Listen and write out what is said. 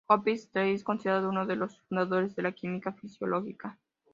Hoppe-Seyler es considerado uno de los fundadores de la química fisiológica.